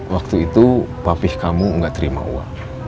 waktu itu papih kamu nggak terima uang